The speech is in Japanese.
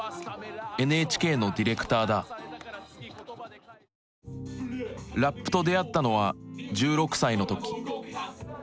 ＮＨＫのディレクターだラップと出会ったのは１６歳の時。